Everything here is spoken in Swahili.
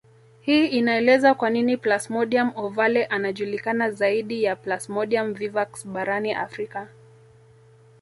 Hii inaeleza kwa nini Plasmodium ovale anajulikana zaidi ya Plasmodium vivax barani Afrika